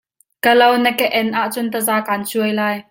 Ka lo na ka en ahcun taza kaan cuai lai.